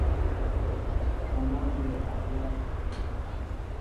O máál mbɛy a dyá.